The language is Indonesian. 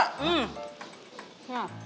saya disini mbak